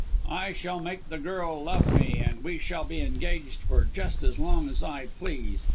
I shall make the girl love me and we shall be engaged for just as long as I please.